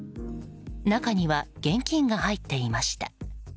中には現金が入っていました。